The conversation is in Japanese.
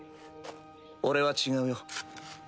俺は違うよ。